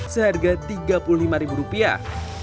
seharga tiga puluh lima ribu rupiah